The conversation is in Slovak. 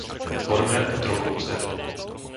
Horné Otrokovce